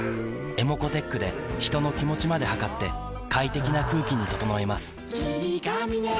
ｅｍｏｃｏーｔｅｃｈで人の気持ちまで測って快適な空気に整えます